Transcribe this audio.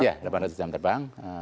iya delapan ratus jam terbang